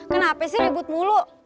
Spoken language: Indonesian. kenapa sih ribut mulu